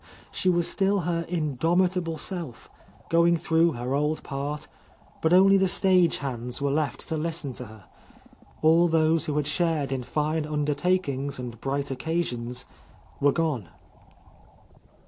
She was still her in A Lost Lady domitable self, going through her old part, — but only the stage hands were left to listen to her. All those who had shared in fine undertak ings and bright occasions were gone.